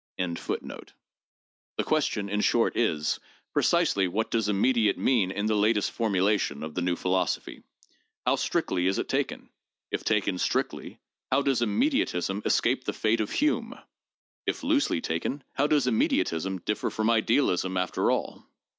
PSYCHOLOGY AND SCIENTIFIC METHODS 691 The question, in short, is : Precisely what does immediate mean in the latest formulation of the new philosophy ; how strictly is it taken ? If taken strictly, how does immediatism escape the fate of Hume? If loosely taken, how does immediatism differ from idealism after all?